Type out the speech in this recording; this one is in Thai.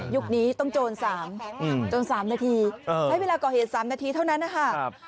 ยุคนี้ต้องโจร๓นาทีให้เวลาก่อเหตุ๓นาทีเท่านั้นนะครับ